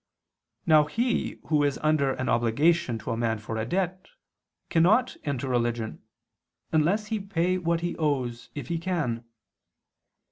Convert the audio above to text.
Now he who is under an obligation to a man for a debt, cannot enter religion, unless he pay what he owes, if he can.